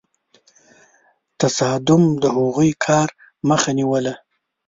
تصادم د هغوی کار مخه نیوله.